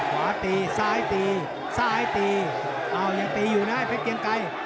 ขวาตีซ้ายตีซ้ายตีอ้าวยังตีอยู่นะไอเพชรเกียงไกร